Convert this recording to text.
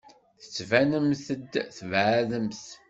Tettbanemt-d tbeɛdemt.